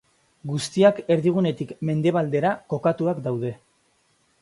Guztiak erdigunetik mendebaldera kokatuak daude.